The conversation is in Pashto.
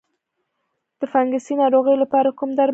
د فنګسي ناروغیو لپاره کوم درمل ښه دي؟